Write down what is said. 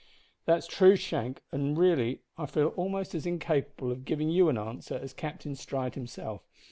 "That's true, Shank, and really I feel almost as incapable of giving you an answer as Captain Stride himself.